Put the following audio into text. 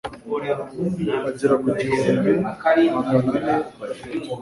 bagera ku gihumbi namagane atatu